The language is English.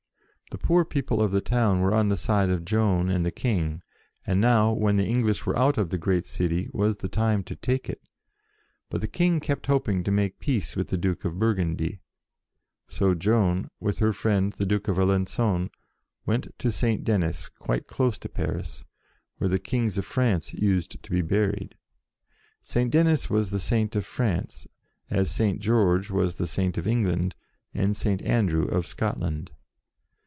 The poor people of the town were on the side of Joan and the King, and now, when the English were out of the great city, was the time to take it. But the King kept hoping to make peace with the Duke of Burgundy, so Joan, with her friend the Duke of Alenc.on, went to Saint Denis, quite close to Paris, where the Kings of France used to be buried : Saint Denis was the Saint of France, as Saint George was the Saint of England, and Saint An drew of Scotland.